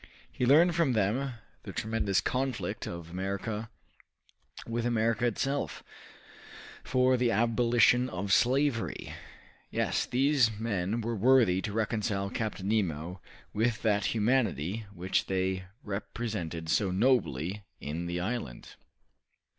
He learned from them the tremendous conflict of America with America itself, for the abolition of slavery. Yes, these men were worthy to reconcile Captain Nemo with that humanity which they represented so nobly in the island.